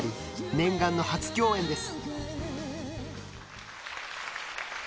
念願の初共演です。